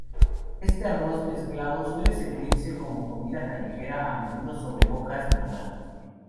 Este arroz mezclado suele servirse como comida callejera a menudo sobre hojas de banana.